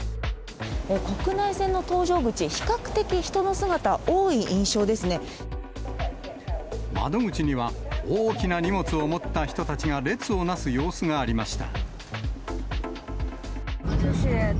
国内線の搭乗口、比較的、人の姿、窓口には、大きな荷物を持った人たちが列をなす様子がありました。